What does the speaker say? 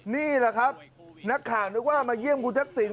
นี่แหละครับนักข่าวนึกว่ามาเยี่ยมคุณทักษิณ